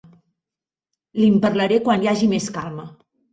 Li'n parlaré quan hi hagi més calma.